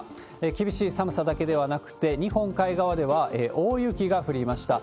厳しい寒さだけではなくて、日本海側では大雪が降りました。